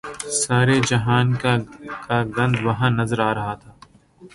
سارے جہان کا گند وہاں نظر آ رہا تھا۔